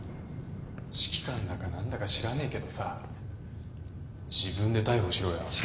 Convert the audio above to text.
指揮官だか何だか知らねえけどさ自分で逮捕しろよ。